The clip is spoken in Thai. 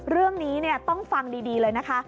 เรื่องนี้ต้องฟังดีเลยนะคะ